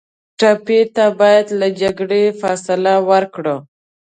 ټپي ته باید له جګړې فاصله ورکړو.